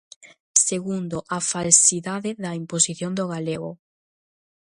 Segundo, a falsidade da imposición do galego.